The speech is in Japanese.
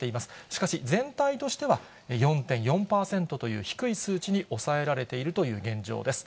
しかし、全体としては４．４％という低い数値に抑えられているという現状です。